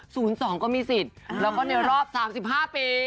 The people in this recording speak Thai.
สองก็มีสิทธิ์แล้วก็ในรอบสามสิบห้าปี